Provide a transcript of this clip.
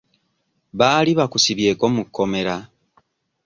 Baali bakusibyeko mu kkomera?